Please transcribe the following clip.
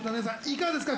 いかがですか？